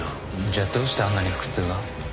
じゃどうしてあんなに腹痛が？